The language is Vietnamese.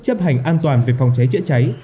chấp hành an toàn về phòng cháy chữa cháy